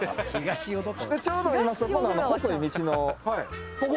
ちょうど今そこの細い道のここ？